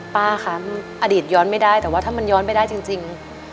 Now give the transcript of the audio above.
ป้าคะอดีตย้อนไม่ได้แต่ว่าถ้ามันย้อนไปได้จริง